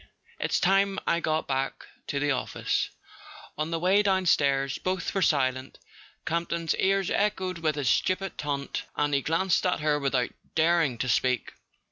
It's time I got back to the office." On the way downstairs both were silent. Camp ton's ears echoed with his stupid taunt, and he glanced at her without daring to speak.